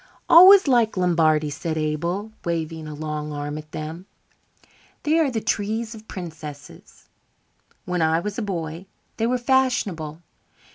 "Always liked Lombardies," said Abel, waving a long arm at them. "They are the trees of princesses. When I was a boy they were fashionable.